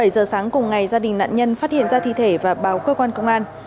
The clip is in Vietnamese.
bảy giờ sáng cùng ngày gia đình nạn nhân phát hiện ra thi thể và báo cơ quan công an